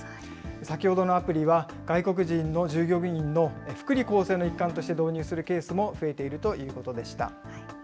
先ほどのアプリは、外国人の従業員の福利厚生の一環として導入するケースも増えているということでした。